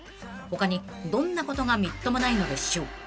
［他にどんなことがみっともないのでしょう］